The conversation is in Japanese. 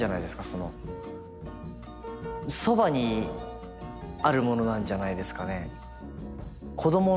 そのそばにあるものなんじゃないですかね。